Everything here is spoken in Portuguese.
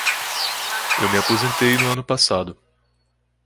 Eu me aposentei no ano passado.